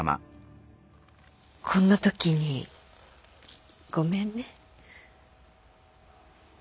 こんな時にごめんね。え？